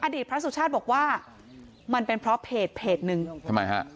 พระสุชาติบอกว่ามันเป็นเพราะเพจเพจหนึ่งทำไมฮะ